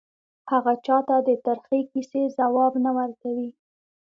هغه چا ته د ترخې کیسې ځواب نه ورکوي